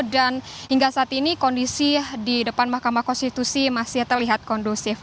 dan hingga saat ini kondisi di depan mahkamah konstitusi masih terlihat kondusif